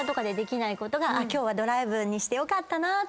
今日ドライブにしてよかったなって。